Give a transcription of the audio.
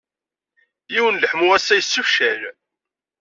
Yiwen n leḥmu assa yessefcal.